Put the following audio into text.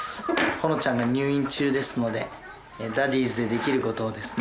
ほのちゃんが入院中ですのでダディーズでできることをですね